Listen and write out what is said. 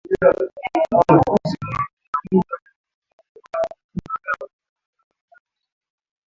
Uchafuzi huu unaweza kupitishwa Waathirika wakuu wa uchafuzi huu